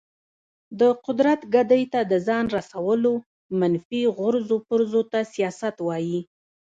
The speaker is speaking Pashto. د قدرت ګدۍ ته د ځان رسولو منفي غورځو پرځو ته سیاست وایي.